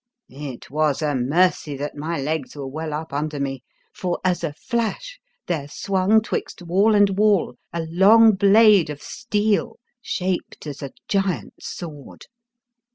It was a mercy that my legs were well up under me, for as a flash there swung 'twixt wall and wall a long blade of steel shaped as a giant sword.